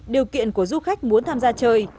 điều kiện của du khách muốn tham gia chơi